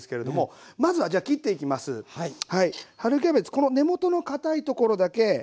この根元のかたいところだけ落とします。